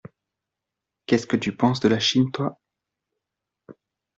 Qu’est-ce que tu penses de la Chine, toi ?